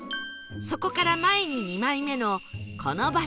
そこから前に２枚目のこの場所